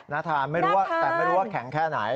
น่าทานแต่ไม่รู้ว่าแข็งแค่ไหน